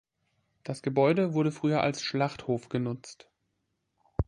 Das Gebäude wurde früher als Schlachthof genutzt.